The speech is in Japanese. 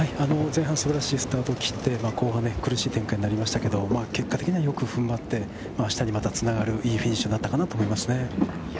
前半は素晴らしいスタートを切って後半は苦しい展開になりましたけど、結果的によく踏ん張って、明日にまた繋がる良いフィニッシュになったかなと思いますね。